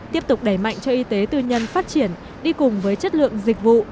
tiếp tục đẩy mạnh cho y tế tư nhân phát triển đi cùng với chất lượng dịch vụ